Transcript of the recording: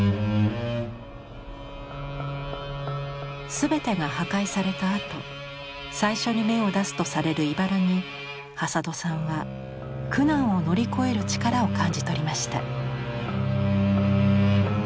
全てが破壊されたあと最初に芽を出すとされるイバラに挾土さんは苦難を乗り越える力を感じ取りました。